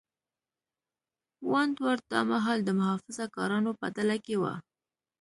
ونټ ورت دا مهال د محافظه کارانو په ډله کې و.